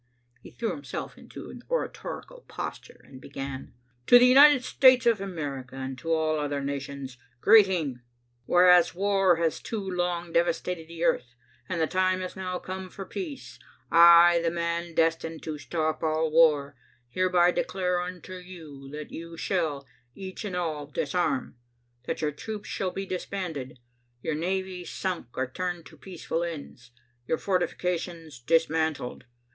He threw himself into an oratorical posture and began: "To the United States of America and to all other nations Greeting!" "Whereas war has too long devastated the earth and the time has now come for peace, I, the man destined to stop all war, hereby declare unto you that you shall, each and all, disarm; that your troops shall be disbanded, your navies sunk or turned to peaceful ends, your fortifications dismantled.